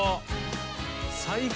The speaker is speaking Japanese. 最高！